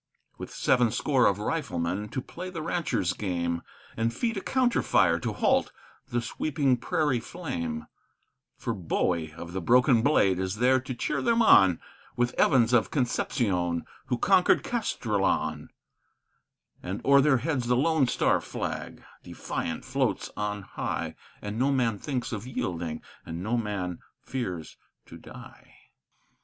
With seven score of riflemen to play the rancher's game, And feed a counter fire to halt the sweeping prairie flame; For Bowie of the broken blade is there to cheer them on, With Evans of Concepcion, who conquered Castrillon, And o'er their heads the Lone Star flag defiant floats on high, And no man thinks of yielding, and no man fears to die.